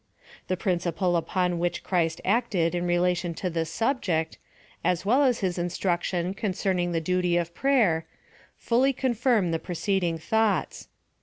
The principle upon which Christ acted in relation to this subject, as well as his in struction concerning the duty of prayer, fully con firm the preceding thoughts.